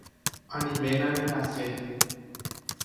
Anivéna nerasẽti.